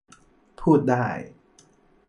พูดได้